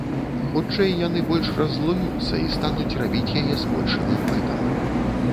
Хутчэй, яны больш раззлуюцца, і стануць рабіць яе з большым імпэтам.